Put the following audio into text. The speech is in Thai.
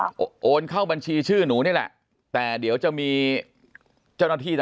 น่าใช้คีมโอนเข้าบัญชีชื่อหนูนี่แหละแต่เดี๋ยวจะมีเจ้านาที